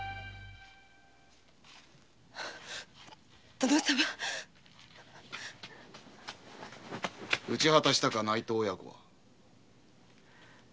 殿様。討ち果たしたか内藤親子は？